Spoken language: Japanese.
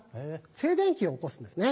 静電気を起こすんですね。